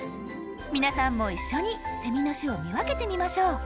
皆さんも一緒にセミの種を見分けてみましょう。